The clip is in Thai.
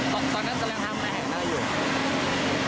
ตอนนั้นก็เลยทำแห่งหน้าอยู่ครับ